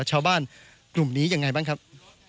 ช่วยเหลือชาวบ้านกลุ่มนี้ยังไงบ้างครับ